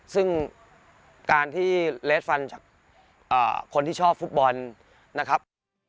ซึ่งการที่เลสฟันจากคนที่ชอบฟุตบอลนะครับ